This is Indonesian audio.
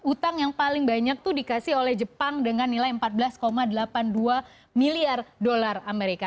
utang yang paling banyak itu dikasih oleh jepang dengan nilai empat belas delapan puluh dua miliar dolar amerika